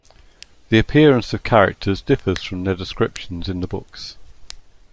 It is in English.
The appearance of characters differs from their descriptions in the books.